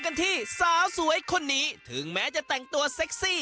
เยี่ยมมาก